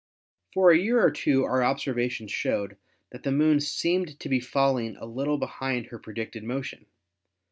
"For a year or two our observations showed that the Moon seemed to be falling a little behind her predicted motion.